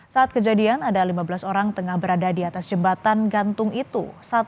saat kejadian ada lima belas orang tengah berada di atas jembatan gantung itu